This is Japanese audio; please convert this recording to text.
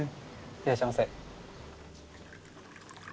いらっしゃいませ。